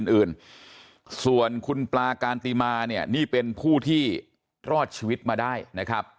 อื่นส่วนคุณปลาการติมาเนี่ยนี่เป็นผู้ที่รอดชีวิตมาได้นะครับ